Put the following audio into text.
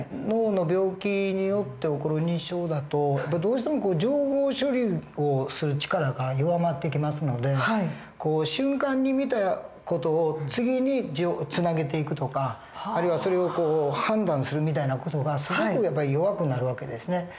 脳の病気によって起こる認知症だとどうしても情報処理をする力が弱まってきますので瞬間に見た事を次につなげていくとかあるいはそれを判断するみたいな事がすごくやっぱり弱くなる訳ですね。